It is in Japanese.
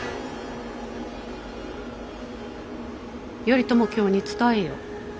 頼朝卿に伝えよ。